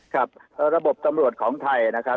ครับระบบตำรวจของไทยนะครับ